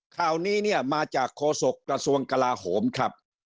ข่าวนี้เนี่ยมาจากโฆษกระทรวงกลาโหมครับ